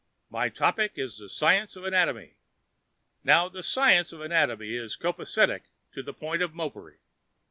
"My topic is the science of anatomy. Now, the science of anatomy is copacetic to the point of mopery.